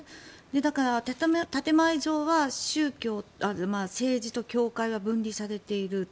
だから、建前上は政治と教会は分離されている。